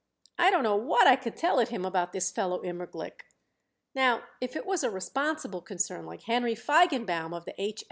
I don't know what I could tell it him about this fellow Immerglick. Now, if it was a responsible concern like Henry Feigenbaum, of the H.